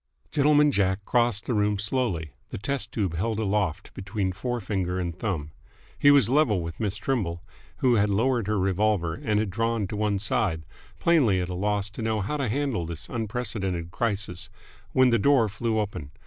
Gentleman Jack crossed the room slowly, the test tube held aloft between fore finger and thumb. He was level with Miss Trimble, who had lowered her revolver and had drawn to one side, plainly at a loss to know how to handle this unprecedented crisis, when the door flew open.